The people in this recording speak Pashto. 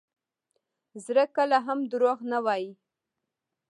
زړه کله هم دروغ نه وایي.